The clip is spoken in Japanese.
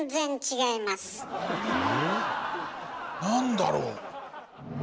何だろう？